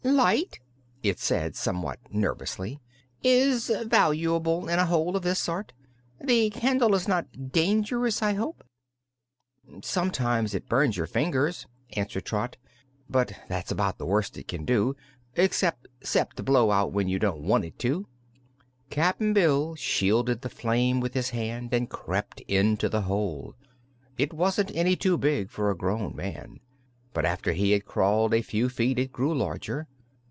"Light," it said, somewhat nervously, "is valuable in a hole of this sort. The candle is not dangerous, I hope?" "Sometimes it burns your fingers," answered Trot, "but that's about the worst it can do 'cept to blow out when you don't want it to." Cap'n Bill shielded the flame with his hand and crept into the hole. It wasn't any too big for a grown man, but after he had crawled a few feet it grew larger.